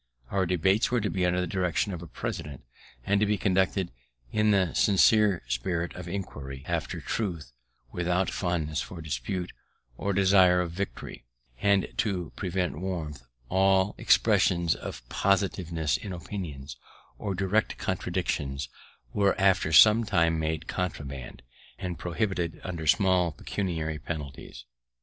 Our debates were to be under the direction of a president, and to be conducted in the sincere spirit of inquiry after truth, without fondness for dispute, or desire of victory; and, to prevent warmth, all expressions of positiveness in opinions, or direct contradiction, were after some time made contraband, and prohibited under small pecuniary penalties.